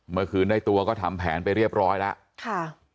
เมื่อคืนได้ตัวก็ทำแผนไปเรียบร้อยแล้วค่ะ